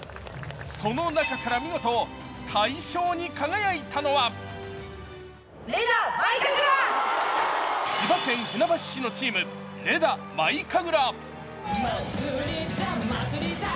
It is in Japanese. その中から見事、大賞に輝いたのは千葉県船橋市のチーム、ＲＥＤＡ舞神楽。